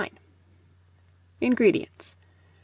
INGREDIENTS.